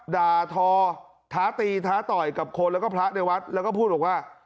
ด่าทอท้าตีท้าต่อยกับคนแล้วก็พระในวัดแล้วก็พูดบอกว่า